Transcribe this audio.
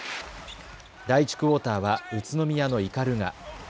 第１クオーターは宇都宮の鵤。